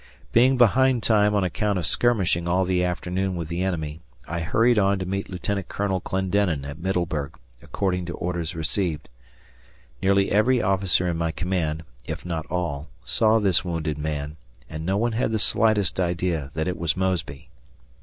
Being behind time on account of skirmishing all the afternoon with the enemy, I hurried on to meet Lieutenant Colonel Clendenin at Middleburg, according to orders received. Nearly every officer in my command, if not all, saw this wounded man, and no one had the slightest idea that it was Mosby.